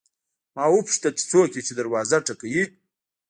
ما وپوښتل چې څوک یې چې دروازه ټکوي.